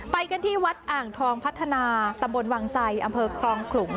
ไปกันที่วัดอ่างทองพัฒนาตำบลวังไสอำเภอครองขลุง